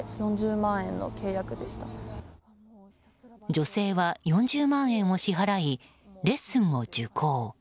女性は４０万円を支払いレッスンを受講。